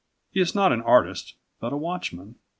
He is not an artist but a watchman.